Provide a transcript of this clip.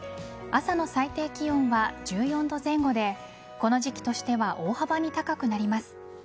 朝の最低気温は１４度前後でこの時期としては大幅に高くなります。